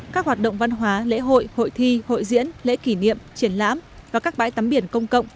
các hoạt động văn hóa lễ hội hội thi hội diễn lễ kỷ niệm triển lãm và các bãi tắm biển công cộng